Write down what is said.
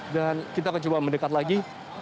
dan kita akan coba mendekat lagi